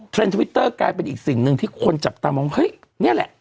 เทรนด์ทวิตเตอร์กลายเป็นอีกสิ่งที่คนจับตามองนะเห้ยเนี้ยแหละ